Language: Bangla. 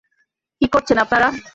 কী করছেন আপনারা?